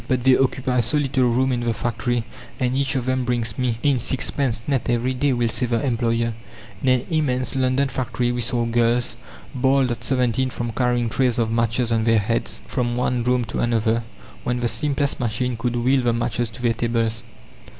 "But they occupy so little room in the factory, and each of them brings me in sixpence net every day," will say the employer. In an immense London factory we saw girls, bald at seventeen from carrying trays of matches on their heads from one room to another, when the simplest machine could wheel the matches to their tables.